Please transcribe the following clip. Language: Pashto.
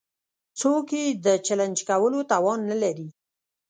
څوک يې د چلېنج کولو توان نه لري.